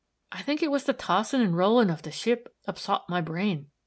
I think it was the tossin' an' rollin' ov the ship upsot my brain.